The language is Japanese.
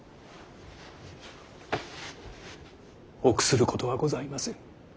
臆することはございません。